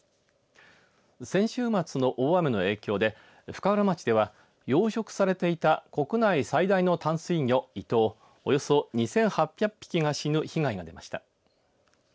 先週末の大雨の影響で深浦町では養殖されていた国内最大の淡水魚イトウ、およそ２８００匹が死ぬ被害が出ました。